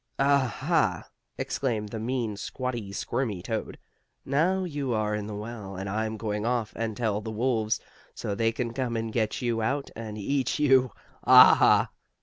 "Ah, ha!" exclaimed the mean, squatty squirmy toad. "Now you are in the well, and I'm going off, and tell the wolves, so they can come and get you out, and eat you. Ah, ha!"